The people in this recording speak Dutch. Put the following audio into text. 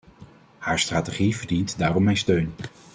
Haar strategie verdient daarom mijn steun.